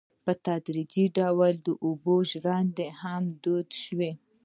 په تدریجي ډول د اوبو ژرندې هم دود شوې.